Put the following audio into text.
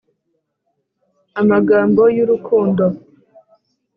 Amagambo y ‘urukundo.